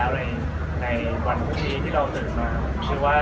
ในวันพรุ่งนี้ที่เราตื่นมา